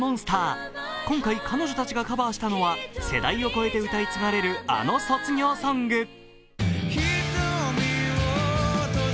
今回、彼女たちがカバーしたのは、世代を超えて歌い継がれるあの卒業ソング。